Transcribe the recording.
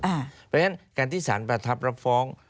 เพราะฉะนั้นการที่สารประทับรับฟ้อง